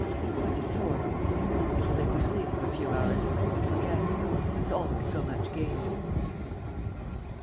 "What's it for?" "It will make you sleep for a few hours ... and forget. That's always so much gained."